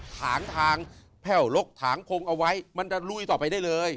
ถางทางแพ่วลกถางพงเอาไว้มันจะลุยต่อไปได้เลย